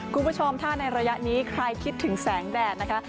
คุณผู้ชมถ้าในระยะนี้ใครคิดถึงแสงแดดนะคะ